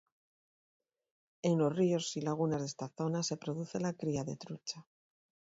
En los ríos y lagunas de esta zona se produce la cría de trucha.